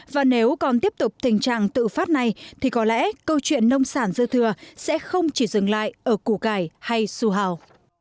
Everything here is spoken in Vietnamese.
và nếu còn tiếp tục tình trạng tự phát này thì có lẽ câu chuyện nông sản dư thừa sẽ không chỉ dừng lại ở củ cải hay su hào